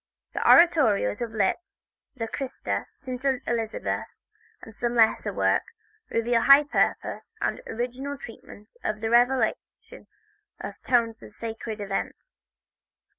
The oratorios of Liszt, the "Christus," "St. Elizabeth" and some lesser works, reveal high purpose and original treatment of a revelation in tones of sacred events.